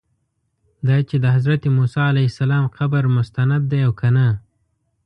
دا چې د حضرت موسی علیه السلام قبر مستند دی او که نه.